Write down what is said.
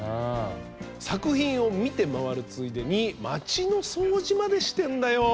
作品を見て回るついでに街の掃除までしてんだよ。